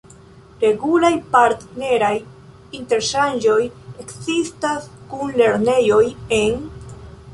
Regulaj partneraj interŝanĝoj ekzistas kun lernejoj en...